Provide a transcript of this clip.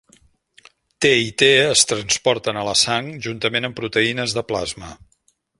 T i T es transporten a la sang, juntament amb proteïnes de plasma.